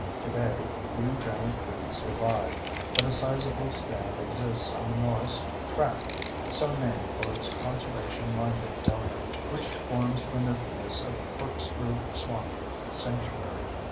Today, few giant trees survive, but a sizable stand exists on the Norris Tract—so named for its conservation minded donor—which forms the nucleus of Corkscrew Swamp Sanctuary.